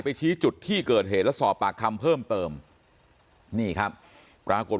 ชี้จุดที่เกิดเหตุและสอบปากคำเพิ่มเติมนี่ครับปรากฏ